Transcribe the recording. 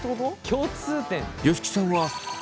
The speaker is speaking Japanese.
共通点？